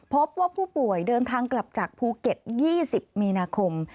พบว่าผู้ป่วยเดินทางกลับจากภูเก็ต๒๐มีนาคม